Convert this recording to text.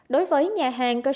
đối với nhà hàng